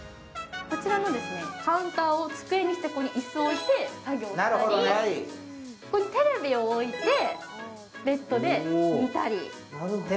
こちらのカウンターを机にしてこちらに椅子を置いたり、ここにテレビを置いて、ベッドで見たり。